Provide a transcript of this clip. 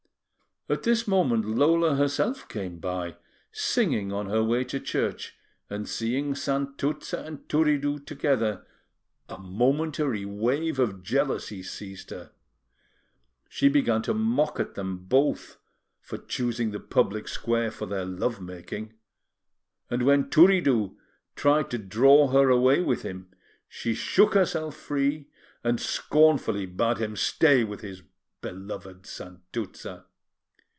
At this moment Lola herself came by, singing on her way to church, and seeing Santuzza and Turiddu together, a momentary wave of jealousy seized her. She began to mock at them both for choosing the public square for their love making; and when Turiddu tried to draw her away with him, she shook herself free, and scornfully bade him stay with his beloved Santuzza.